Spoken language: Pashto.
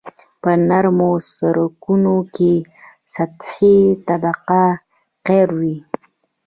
په نرمو سرکونو کې سطحي طبقه قیر وي